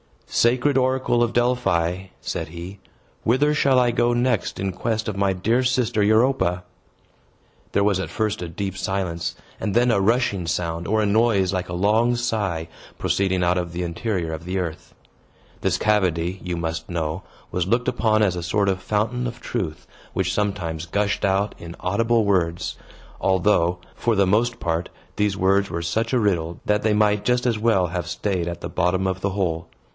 "Sacred oracle of Delphi," said he, "whither shall I go next in quest of my dear sister Europa?" There was at first a deep silence, and then a rushing sound, or a noise like a long sigh, proceeding out of the interior of the earth. This cavity, you must know, was looked upon as a sort of fountain of truth, which sometimes gushed out in audible words; although, for the most part, these words were such a riddle that they might just as well have staid at the bottom of the hole.